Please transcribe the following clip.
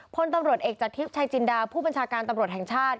พลตำรวจเอกจากทิพย์ชายจินดาผู้บัญชาการตำรวจแห่งชาติ